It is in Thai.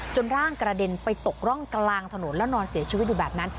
ร่างกระเด็นไปตกร่องกลางถนนแล้วนอนเสียชีวิตอยู่แบบนั้น